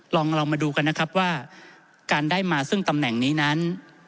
ลองมาดูกันนะครับว่าการได้มาซึ่งตำแหน่งนี้นั้น